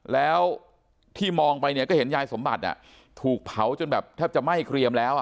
แล้วที่มองไปเนี่ยก็เห็นยายสมบัติถูกเผาจนแบบแทบจะไหม้เกรียมแล้ว